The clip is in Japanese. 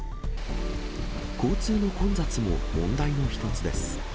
交通の混雑も問題の一つです。